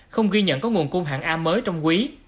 không ghi nhận có nguồn cung hạng a mới trong quý